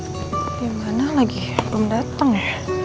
bagaimana lagi belum datang ya